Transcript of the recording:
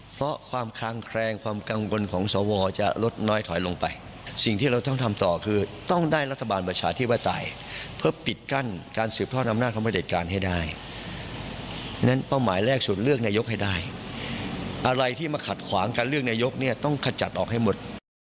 ปรับขวางกับเรื่องนายกต้องกระจัดออกให้หมด